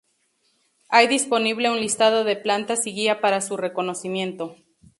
Hay disponible un listado de plantas y guía para su reconocimiento.